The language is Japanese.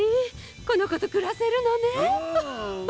このことくらせるのね！